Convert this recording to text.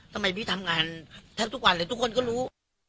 ทำไมพี่ทำงานแทบทุกวันเลยทุกคนก็รู้